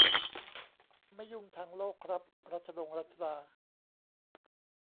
ไม่ยุ่งทางโลกครับ รัชดงรัชดา